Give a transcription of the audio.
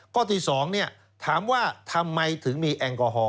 ข้อที่๒ถามว่าทำไมถึงมีแอลกอฮอล